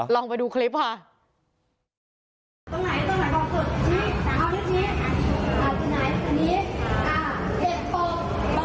ลองไปดูคลิปค่ะ